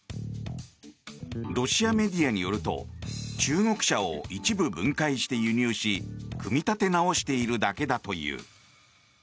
ロシアメディアによると中国車を一部分解して輸入し組み立て直しているだけだという。